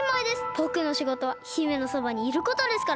ぼくのしごとは姫のそばにいることですから！